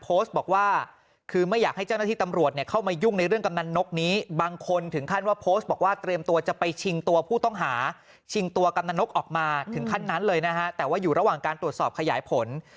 ออกมาถึงขั้นนั้นเลยนะฮะแต่ว่าอยู่ระหว่างการตรวจสอบขยายผล